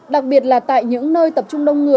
đặc biệt là tại những nơi tập trung đông